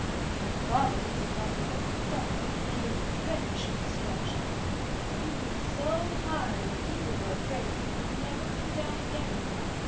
My father was a Rocket like myself, and of French extraction. He flew so high that the people were afraid that he would never come down again.